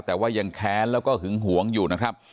แต่ว่ายังแค้นแล้วก็หึงหวงอยู่นะครับ